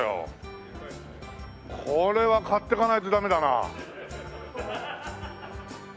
これは買ってかないとダメだな。